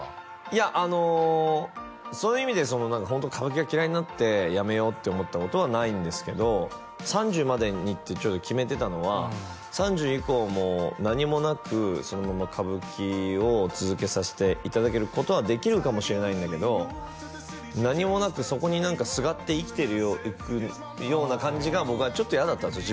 いやあのそういう意味でホント歌舞伎が嫌いになってやめようって思ったことはないんですけど３０までにってちょっと決めてたのは３０以降も何もなくそのまま歌舞伎を続けさせていただけることはできるかもしれないんだけど何もなくそこに何かすがって生きていくような感じが僕は嫌だったんですよ